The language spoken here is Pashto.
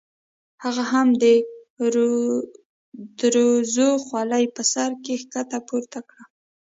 هغه هم د دروزو خولۍ په سر کې ښکته پورته کړه.